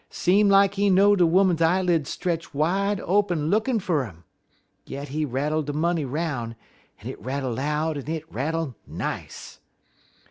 Seem like he know de 'Oman eyeled stretch wide open lookin' fer 'im. Yit he rattle de money 'roun', en hit rattle loud en hit rattle nice.